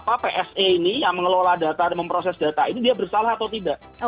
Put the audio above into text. apa pse ini yang mengelola data dan memproses data ini dia bersalah atau tidak